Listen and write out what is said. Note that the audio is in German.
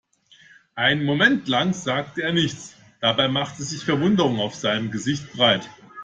Einen Moment lang sagte er nichts, dabei machte sich Verwunderung auf seinem Gesicht breit.